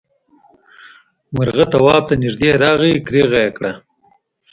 مرغه تواب ته نږدې راغی کريغه یې کړه.